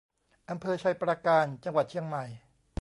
อำเภอไชยปราการ จังหวัดเชียงใหม่